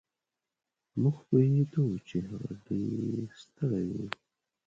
مونږ پوهېدو چې هغه ډېر ستړی و.